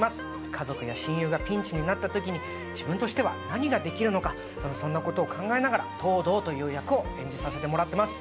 家族や親友がピンチになった時に自分としては何ができるのかそんなことを考えながら東堂という役を演じさせてもらってます